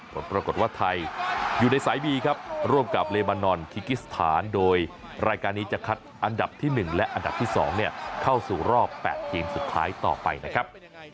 ผลปรากฏว่าไทยอยู่ในสายบีครับร่วมกับเลบานอนคิกิสถานโดยรายการนี้จะคัดอันดับที่๑และอันดับที่๒เข้าสู่รอบ๘ทีมสุดท้ายต่อไปนะครับ